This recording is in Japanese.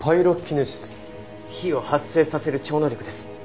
火を発生させる超能力です。